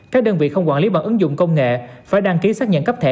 các đơn vị không quản lý bằng ứng dụng công nghệ phải đăng ký xác nhận cấp thẻ